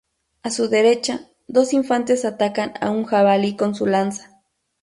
A su derecha, dos infantes atacan a un jabalí con su lanza.